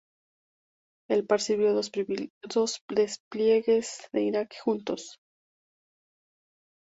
El par sirvió dos despliegues en Iraq juntos.